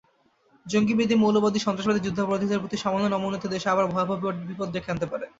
জঙ্গিবাদী-মৌলবাদী-সন্ত্রাসবাদী-যুদ্ধাপরাধীদের প্রতি সামান্য নমনীয়তা দেশে আবার ভয়াবহ বিপদ ডেকে আনতে পারে।